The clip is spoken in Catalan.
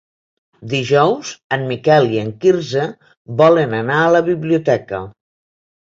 Dijous en Miquel i en Quirze volen anar a la biblioteca.